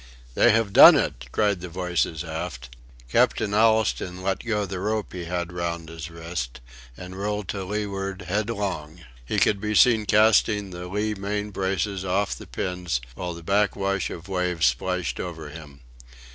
"They have done it!" cried the voices aft. Captain Allistoun let go the rope he had round his wrist and rolled to leeward headlong. He could be seen casting the lee main braces off the pins while the backwash of waves splashed over him.